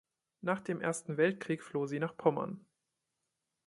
Nach dem Ersten Weltkrieg floh sie nach Pommern.